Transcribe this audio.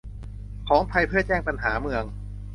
ของไทยเพื่อแจ้งปัญหาเมือง